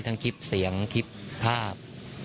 คลิปเสียงคลิปภาพ